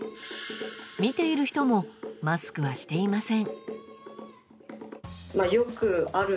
見ている人もマスクはしていません。